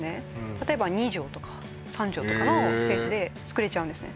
例えば２畳とか３畳とかのスペースでつくれちゃうんですね